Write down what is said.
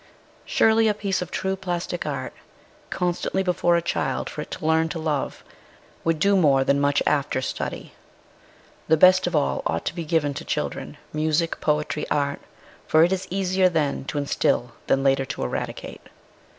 Surely a piece of true plastic art, constantly before a child for it to learn to love, would do more than much after study. The best of all ought to be given to children music, poetry, art for it is easier then to instil than later to eradicate.